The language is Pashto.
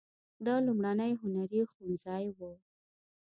دا لومړنی هنري ښوونځی و.